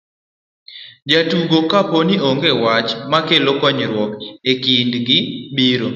jotugo kapo ni onge wach makelo ywaruok e kind gi, biro